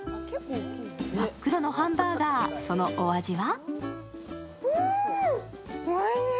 真っ黒のハンバーガー、そのお味は？